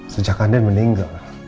sejak anden meninggal